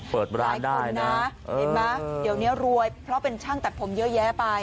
เปิดร้านได้นะเห็นมั้ยเดี๋ยวเนี้ยรวยเพราะเป็นช่างตัดผมเยอะแยะไป